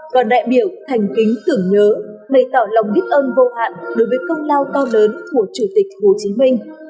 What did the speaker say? đoàn đại biểu thành kính tưởng nhớ bày tỏ lòng biết ơn vô hạn đối với công lao to lớn của chủ tịch hồ chí minh